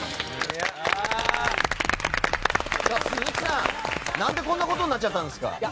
鈴木さん、何でこんなことになっちゃったんですか？